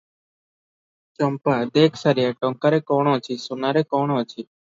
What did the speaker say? ଚମ୍ପା - "ଦେଖ ସାରିଆ, ଟଙ୍କାରେ କଣ ଅଛି ସୁନାରେ କଣ ଅଛି?